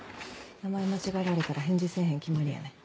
名前間違えられたら返事せえへん決まりやねん。